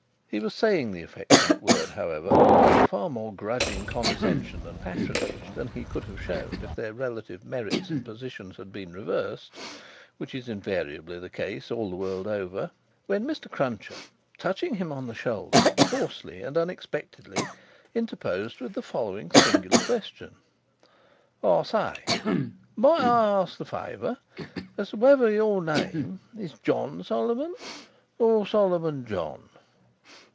He was saying the affectionate word, however, with a far more grudging condescension and patronage than he could have shown if their relative merits and positions had been reversed (which is invariably the case, all the world over), when Mr. Cruncher, touching him on the shoulder, hoarsely and unexpectedly interposed with the following singular question: "I say! Might I ask the favour? As to whether your name is John Solomon, or Solomon John?"